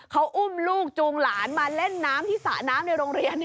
เขาอุ้มลูกจูงหลานมาเล่นน้ำที่สระน้ำในโรงเรียน